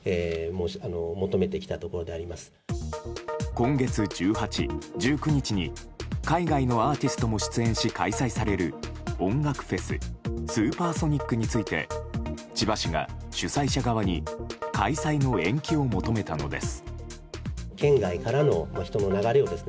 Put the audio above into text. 今月１８、１９日に海外のアーティストも出演し開催される音楽フェス「スーパーソニック」について千葉市が主催者側に開催の延期を求めたのです。